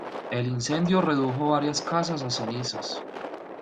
El incendio redujo varias casas a cenizas.